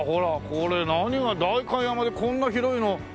これ何が代官山でこんな広いの。